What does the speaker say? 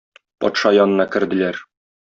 Патша янына керделәр.